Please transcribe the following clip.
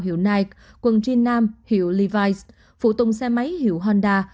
hiệu nike quần jean nam hiệu levi s phụ tùng xe máy hiệu honda